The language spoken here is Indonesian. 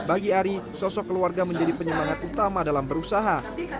bagi ari sosok keluarga menjadi penyemangat utama dalam berusaha